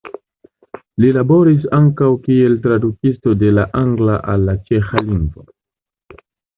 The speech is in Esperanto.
Li laboris ankaŭ kiel tradukisto de la angla al la ĉeĥa lingvo.